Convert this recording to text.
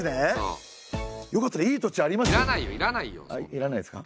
いらないですか？